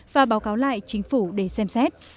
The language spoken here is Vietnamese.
và báo cáo lại chính phủ để xem xét